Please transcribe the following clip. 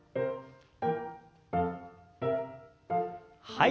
はい。